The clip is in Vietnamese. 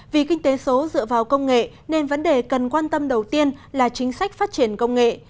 vì kinh tế số dựa vào công nghệ nên vấn đề cần quan tâm đầu tiên là chính sách phát triển công nghệ